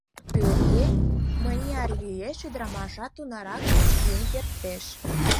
Пӧръеҥ мыняр йӱэш, ӱдырамашат тунарак йӱын кертеш.